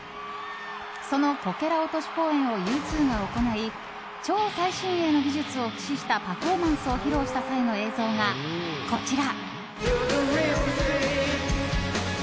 そのこけら落とし公演をＵ２が行い超最新鋭の技術を駆使したパフォーマンスを披露した際の映像がこちら。